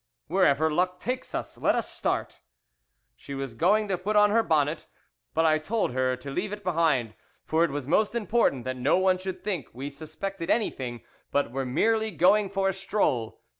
"'Wherever luck takes us. Let us start.' "She was going to put on her bonnet, but I told her to leave it behind; for it was most important that no one should think we suspected anything, but were merely going for a stroll.